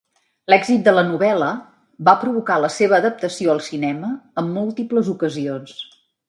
L'èxit de la novel·la va provocar la seva adaptació al cinema en múltiples ocasions.